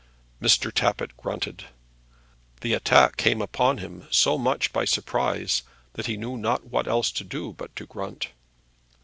Mr. Tappitt grunted. The attack came upon him so much by surprise that he knew not what else to do but to grunt.